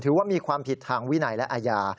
ว่ามีความผิดทางวินัยและอาญา